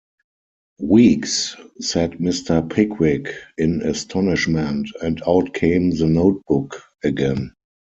‘Weeks!’ said Mr. Pickwick in astonishment, and out came the note-book again.